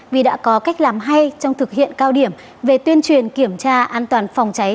vì đã có cách làm hay trong thực hiện cao điểm về tuyên truyền kiểm tra an toàn phòng cháy